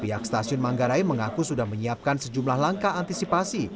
pihak stasiun manggarai mengaku sudah menyiapkan sejumlah langkah antisipasi